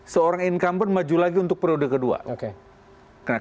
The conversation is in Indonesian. seorang incumbent maju lagi untuk periode kedua